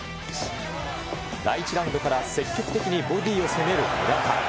第１ラウンドから積極的にボディを攻める村田。